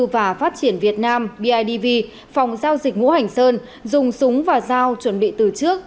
và phát triển việt nam bidv phòng giao dịch ngũ hành sơn dùng súng và dao chuẩn bị từ trước